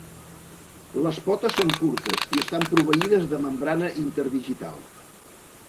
Les potes són curtes i estan proveïdes de membrana interdigital.